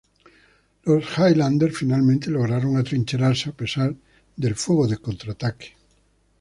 Los Highlanders finalmente lograron atrincherarse, a pesar del fuego de contraataque.